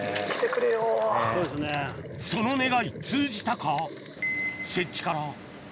その願い通じたか？